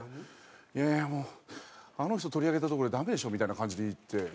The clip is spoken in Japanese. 「いやいやもうあの人取り上げたところでダメでしょ」みたいな感じで言って。